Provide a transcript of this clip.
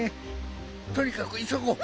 とにかくいそごう。